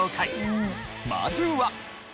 まずは。